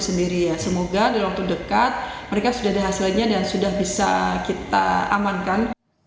sendiri ya semoga dalam waktu dekat mereka sudah ada hasilnya dan sudah bisa kita amankan